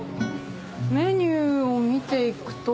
メニューを見ていくと。